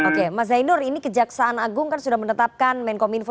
oke mbak zainul ini kejaksaan agung kan sudah menetapkan menko minfo